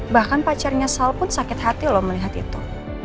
bahkan pacarnya sal pun sakit hati loh melihat itu